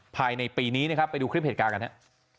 ภายในปีนี้นะครับไปดูคลิปเหตุการณ์กันฮะ